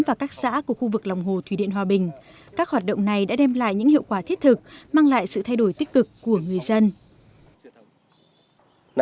và các xã của khu vực lòng hồ thủy điện hòa bình các hoạt động này đã đem lại những hiệu quả thiết thực mang lại sự thay đổi tích cực của người dân